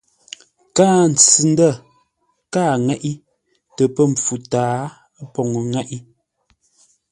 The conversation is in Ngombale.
Kâa ntsʉ-ndə̂ kâa ŋeʼé tə pə̂ mpfu tâa poŋə́ ŋeʼé.